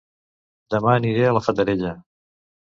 Dema aniré a La Fatarella